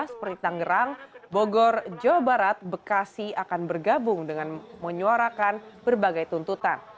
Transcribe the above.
seperti tangerang bogor jawa barat bekasi akan bergabung dengan menyuarakan berbagai tuntutan